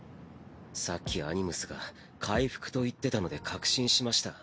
さっきアニムスが「回復」と言ってたので確信しました。